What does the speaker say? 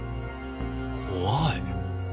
怖い。